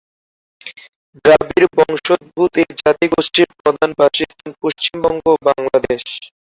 দ্রাবিড়-বংশোদ্ভুত এই জাতিগোষ্ঠীর প্রধান বাসস্থান পশ্চিমবঙ্গ ও বাংলাদেশ।